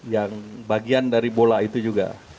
yang bagian dari bola itu juga